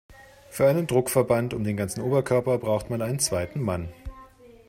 Für einen Druckverband um den ganzen Oberkörper braucht man einen zweiten Mann.